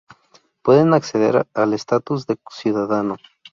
Pueden acceder al estatus de ciudadano.